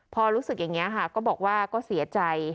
พอรู้สึกอย่างนี้ค่ะก็บอกว่าก็เสียใจ